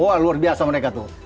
wah luar biasa mereka tuh